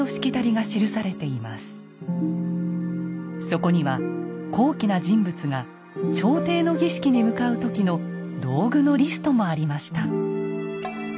そこには高貴な人物が朝廷の儀式に向かう時の道具のリストもありました。